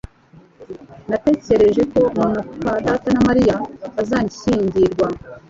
Natekereje ko muka data na Mariya bazashyingirwa